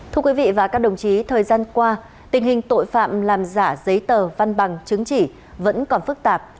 thưa quý vị và các đồng chí thời gian qua tình hình tội phạm làm giả giấy tờ văn bằng chứng chỉ vẫn còn phức tạp